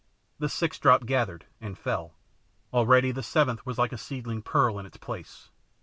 The sixth drop gathered, and fell; already the seventh was like a seedling pearl in its place.